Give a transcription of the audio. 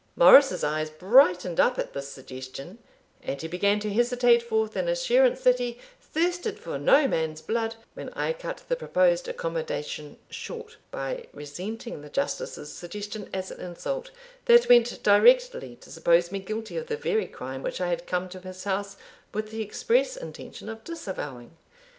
Morris's eyes brightened up at this suggestion, and he began to hesitate forth an assurance that he thirsted for no man's blood, when I cut the proposed accommodation short, by resenting the Justice's suggestion as an insult, that went directly to suppose me guilty of the very crime which I had come to his house with the express intention of disavowing.